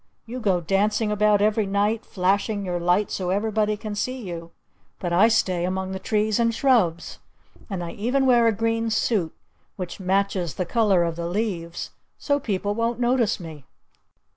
You go dancing about every night, flashing your light so everyone can see you. But I stay among the trees and shrubs. And I even wear a green suit which matches the color of the leaves so people won't notice me.